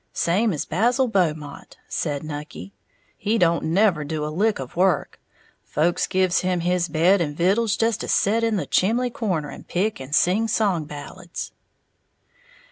"Same as Basil Beaumont," said Nucky; "he don't never do a lick of work, folks gives him his bed and vittles just to set in the chimley corner and pick and sing song ballads."